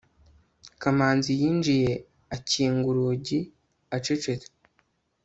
kamanzi yinjiye akinga urugi acecetse